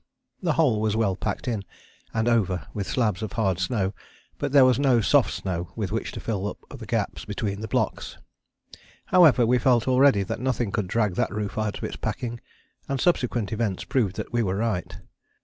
The whole was well packed in and over with slabs of hard snow, but there was no soft snow with which to fill up the gaps between the blocks. However, we felt already that nothing could drag that roof out of its packing, and subsequent events proved that we were right.